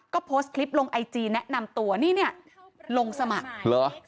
ก็โพสต์คลิปลงไอจีแนะนำตัวนี่เนี่ยลงสมัครเหรอ